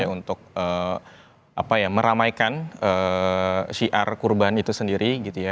ini awal yang baik banget gitu ya untuk apa ya meramaikan cr kurban itu sendiri gitu ya